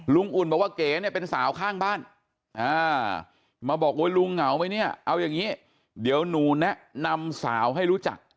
อุ่นบอกว่าเก๋เนี่ยเป็นสาวข้างบ้านมาบอกโอ๊ยลุงเหงาไหมเนี่ยเอาอย่างนี้เดี๋ยวหนูแนะนำสาวให้รู้จัก